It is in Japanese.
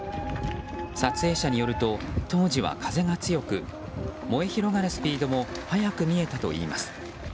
撮影者によると当時は風が強く燃え広がるスピードも早く見えたといいます。